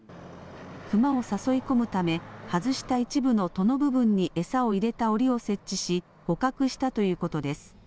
クマを誘い込むため外した一部の戸の部分に餌を入れたおりを設置し捕獲したということです。